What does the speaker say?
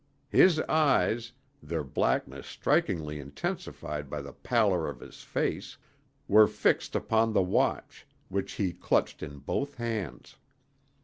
His eyes, their blackness strikingly intensified by the pallor of his face, were fixed upon the watch, which he clutched in both hands.